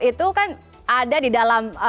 itu kan ada di dalam